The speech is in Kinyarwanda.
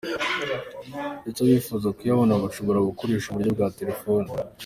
rw, ndetse abifuza kuyabona bashobora gukoresha uburyo bwa telefone.